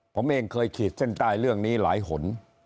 ผมเองเคยขีดเส้นใต้เรื่องนี้หลายหน